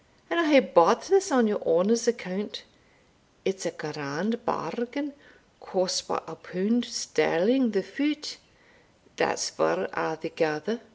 And I hae bought this on your honour's account. It's a grand bargain cost but a pund sterling the foot that's four a'thegither.